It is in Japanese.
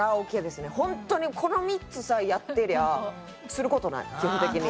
本当にこの３つさえやってりゃする事ない基本的に。